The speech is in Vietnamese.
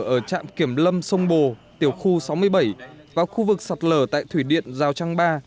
ở trạm kiểm lâm sông bồ tiểu khu sáu mươi bảy vào khu vực sạt lở tại thủy điện giao trang ba